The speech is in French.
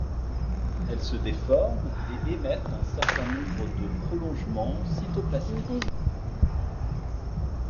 Elles se déforment et émettent un certain nombre de prolongements cytoplasmiques.